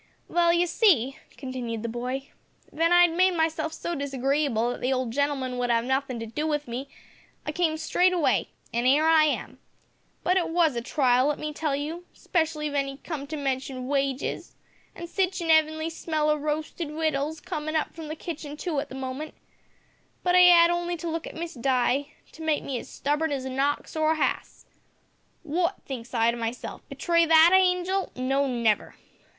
"Vell, you see," continued the boy, "ven I'd made myself so disagreeable that the old gen'l'man would 'ave nothin' to do with me, I came straight away, an' 'ere I am; but it was a trial, let me tell you, specially ven 'e come to mention wages an sitch a 'eavenly smell o' roasted wittles come up from the kitchen too at the moment, but I 'ad only to look at Miss Di, to make me as stubborn as a nox or a hass. `Wot!' thinks I to myself, `betray that hangel no, never!'